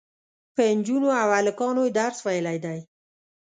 په نجونو او هلکانو یې درس ویلی دی.